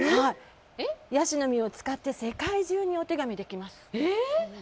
ヤシの実を使って世界中にお手紙できます。